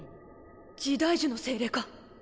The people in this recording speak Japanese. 時代樹の精霊か？